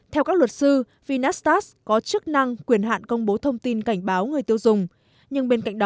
theo các luật sư vinitas có chức năng quyền hạn công bố thông tin cảnh báo người tiêu dùng